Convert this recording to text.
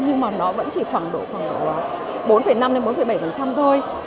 nhưng mà nó vẫn chỉ khoảng độ bốn năm bốn bảy thôi